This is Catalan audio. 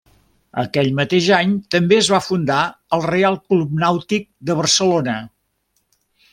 Aquell mateix any també es va fundar el Reial Club Nàutic de Barcelona.